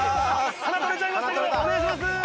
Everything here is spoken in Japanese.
鼻取れちゃいましたけどお願いしますー！